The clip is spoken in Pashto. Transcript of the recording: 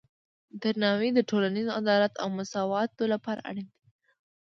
درناوی د ټولنیز عدالت او مساواتو لپاره اړین دی.